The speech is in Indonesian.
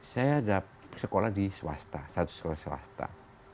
saya ada sekolah di swasta satu sekolah swasta